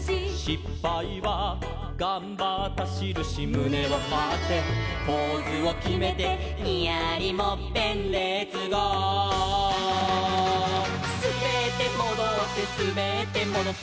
「しっぱいはがんばったしるし」「むねをはってポーズをきめて」「ニヤリもっぺんレッツゴー！」「すべってもどってすべってもどって」